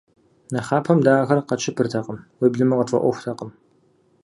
Нэхъапэм дэ ахэр къэтщыпыртэкъым, уеблэмэ къытфӏэӏуэхутэкъым.